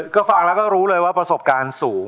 ก็ฟังแล้วก็รู้เลยว่าประสบการณ์สูง